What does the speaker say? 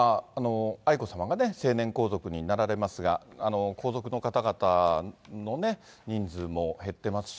愛子さまがね、成年皇族になられますが、皇族の方々の人数も減ってますし。